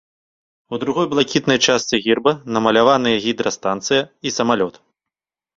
У другой блакітнай частцы герба намаляваныя гідрастанцыя і самалёт.